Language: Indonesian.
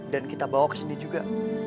dan kita bawa ke sini juga